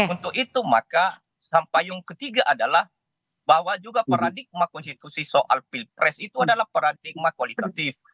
untuk itu maka payung ketiga adalah bahwa juga paradigma konstitusi soal pilpres itu adalah paradigma kualitatif